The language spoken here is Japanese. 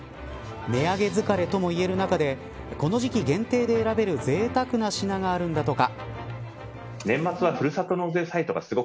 値上げ疲れともいえる中でこの時期限定で選べるぜいたくな品があるんだとか。